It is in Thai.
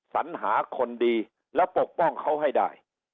สัญหาคนดีแล้วปกป้องเขาให้ได้